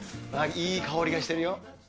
いい香りがしてるよ。